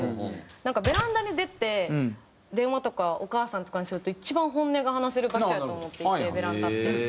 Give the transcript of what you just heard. なんかベランダに出て電話とかお母さんとかにすると一番本音が話せる場所やと思っていてベランダって。